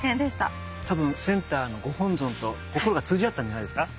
多分センターのご本尊と心が通じ合ったんじゃないですか？